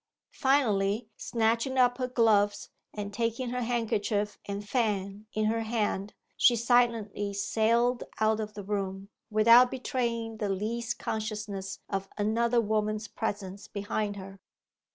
Finally, snatching up her gloves, and taking her handkerchief and fan in her hand, she silently sailed out of the room, without betraying the least consciousness of another woman's presence behind her.